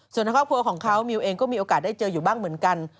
ส่วนในครอบครัวของเขามิวเองก็มีโอกาสได้เจออยู่บ้างเหมือนกัน